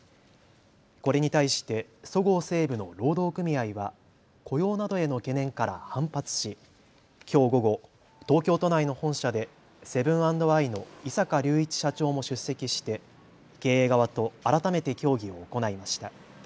これに対して、そごう・西武の労働組合は雇用などへの懸念から反発しきょう午後、東京都内の本社でセブン＆アイの井阪隆一社長も出席して経営側と改めて協議を行いました。